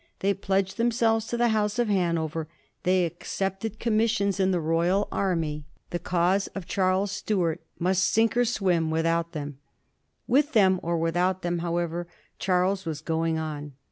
They pledged themselves to the House of Hanover, they accepted commissions in the royal army; 206 A BISTORT OF THB FOUR GEORGES. CH.zxxiy. the cause of Charles Stuart must sink or swim without them* With them or without them, however, Charles was going on.